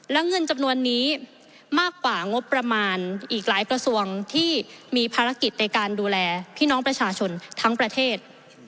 และเงินจำนวนนี้มากกว่างบประมาณอีกหลายกระทรวงที่มีภารกิจในการดูแลพี่น้องประชาชนทั้งประเทศ